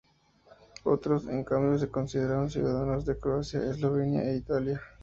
Otros, en cambio, se consideran ciudadanos de Croacia, Eslovenia o Italia.